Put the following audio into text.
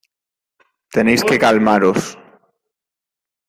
Tenéis que calmaros.